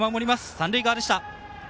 三塁側でした。